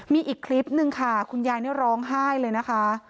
มีอีกคลิปหนึ่งค่ะคุณยายนี่ร้องไห้เลยนะคะ